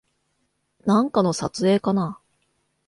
なんかの撮影かな